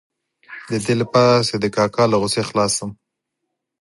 د دې لپاره چې د کاکا له غوسې خلاص شم.